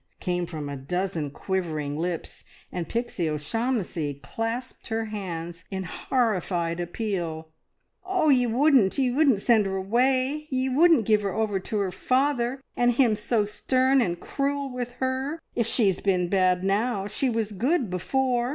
came from a dozen quivering lips, and Pixie O'Shaughnessy clasped her hands in horrified appeal. "Oh, ye wouldn't ye wouldn't send her away! Ye wouldn't give her over to her father, and him so stern and cruel with her! If she's been bad now, she was good before.